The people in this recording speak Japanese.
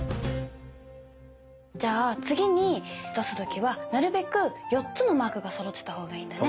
じゃあ次に出す時はなるべく４つのマークがそろってた方がいいんだね。